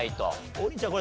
王林ちゃん